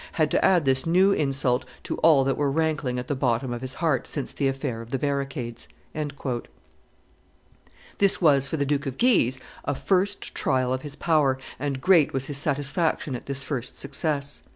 had to add this new insult to all that were rankling at the bottom of his heart since the affair of the Barricades." This was, for the Duke of Guise, a first trial of his power, and great was his satisfaction at this first success.